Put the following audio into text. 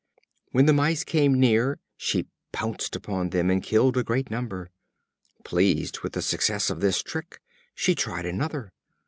When the Mice came near she pounced among them and killed a great number. Pleased with the success of the trick, she tried another.